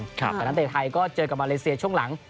แต่นักเตะไทยก็เจอกับมาเลเซียช่วงหลัง